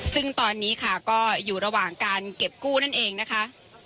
ซึ่งตอนนี้ค่ะก็อยู่ระหว่างการเก็บกู้นั่นเองนะคะ